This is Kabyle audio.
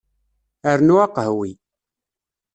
Rnu aqehwi.